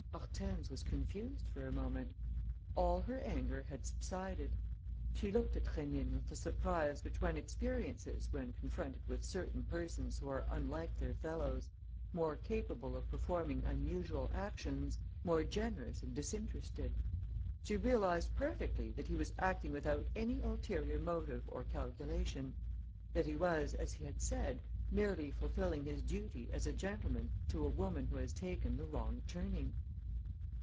Hortense was confused for a moment. All her anger had subsided. She looked at Rénine with the surprise which one experiences when confronted with certain persons who are unlike their fellows, more capable of performing unusual actions, more generous and disinterested. She realised perfectly that he was acting without any ulterior motive or calculation, that he was, as he had said, merely fulfilling his duty as a gentleman to a woman who has taken the wrong turning.